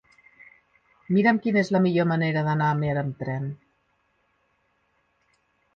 Mira'm quina és la millor manera d'anar a Amer amb tren.